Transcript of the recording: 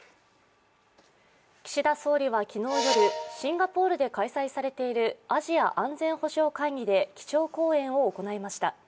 岸田総理は昨日夜シンガポールで開催されているアジア安全保障会議で基調講演を行いました。